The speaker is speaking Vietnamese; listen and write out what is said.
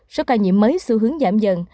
sau ca nhiễm mới sự hướng giảm dần